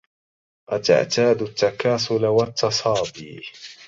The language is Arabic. أتعتاد التكاسل والتصابي